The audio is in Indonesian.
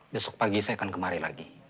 besok pagi saya akan kemari lagi